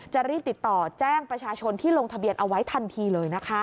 จะรีบติดต่อแจ้งประชาชนที่ลงทะเบียนเอาไว้ทันทีเลยนะคะ